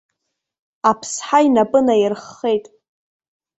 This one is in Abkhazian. Аԥсҳа инапы наирххеит.